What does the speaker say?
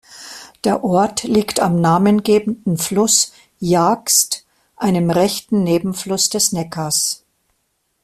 Der Ort liegt am namengebenden Fluss Jagst, einem rechten Nebenfluss des Neckars.